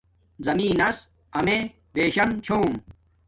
زمین نس امیے بشام چھوم